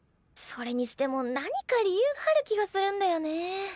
それにしても何か理由がある気がするんだよねえ。